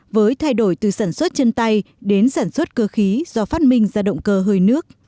với thay đổi từ sản xuất chân tay đến sản xuất cơ khí do phát minh ra động cơ hơi nước